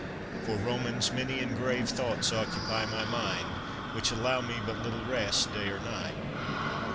For, Romans, many and grave thoughts occupy my mind, which allow me but little rest day or night.